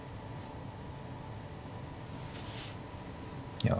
いや。